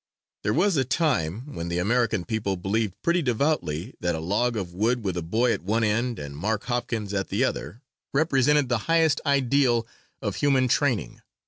There was a time when the American people believed pretty devoutly that a log of wood with a boy at one end and Mark Hopkins at the other, represented the highest ideal of human training.